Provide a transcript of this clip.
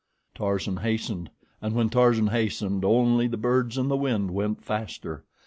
Tarzan hastened, and when Tarzan hastened, only the birds and the wind went faster.